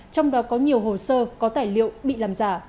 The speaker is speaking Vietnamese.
trong đó có nhiều hồ sơ có tài liệu bị làm giả